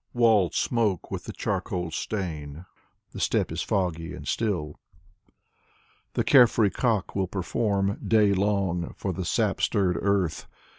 Walls smoke with the charcoal stain. The steppe is foggy and still. The carefree cock will perform Day long for the sap stirred earth.